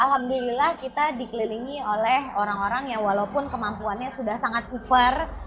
alhamdulillah kita dikelilingi oleh orang orang yang walaupun kemampuannya sudah sangat super